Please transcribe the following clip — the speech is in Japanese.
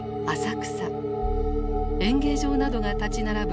演芸場などが立ち並ぶ